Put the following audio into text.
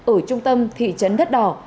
ở trung tâm thị trấn đất đỏ